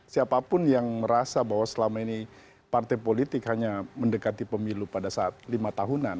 siapapun yang merasa bahwa selama ini partai politik hanya mendekati pemilu pada saat lima tahunan